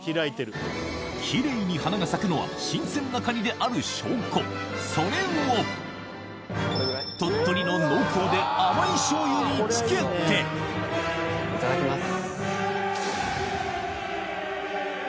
キレイに花が咲くのは新鮮なカニである証拠それを鳥取の濃厚で甘いしょうゆに付けていただきます。